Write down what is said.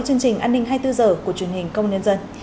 chương trình an ninh hai mươi bốn h của truyền hình công nhân dân